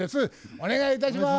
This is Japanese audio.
お願いいたします。